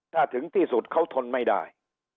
ถ้าถึงที่สุดเขาทนไม่ได้